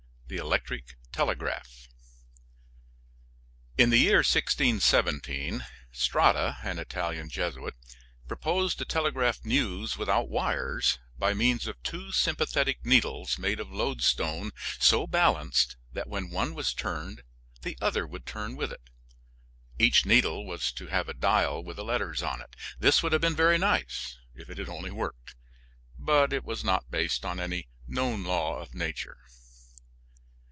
THE ELECTRIC TELEGRAPH. In the year 1617 Strada, an Italian Jesuit, proposed to telegraph news without wires by means of two sympathetic needles made of loadstone so balanced that when one was turned the other would turn with it. Each needle was to have a dial with the letters on it. This would have been very nice if it had only worked, but it was not based on any known law of nature.